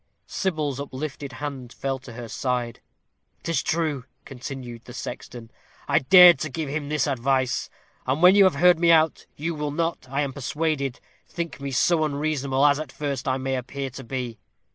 Sybil's uplifted hand fell to her side. "'Tis true," continued the sexton, "I dared to give him this advice; and when you have heard me out, you will not, I am persuaded, think me so unreasonable as, at first, I may appear to be.